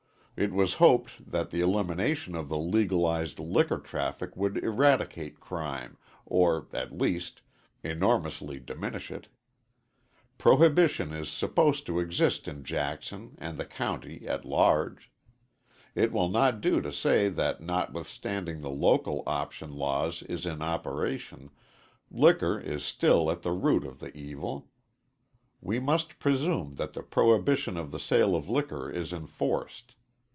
It was hoped that the elimination of the legalized liquor traffic would eradicate crime, or, at least, enormously diminish it. Prohibition is supposed to exist in Jackson and the county at large. It will not do to say that notwithstanding the local option law is in operation, liquor is still at the root of the evil. We must presume that the prohibition of the sale of liquor is enforced.